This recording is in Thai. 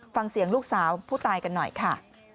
ฟังเสียงลูกสาวผู้ตายกันหน่อยค่ะ